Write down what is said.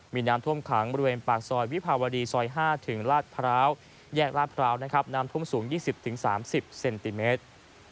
มีน้ำท่วมขังบริเวณปากซอยวิภาวดีซอย๕ถึงลาดพร้าวแยกลาดพร้าวนะครับน้ำท่วมสูง๒๐๓๐เซนติเมตร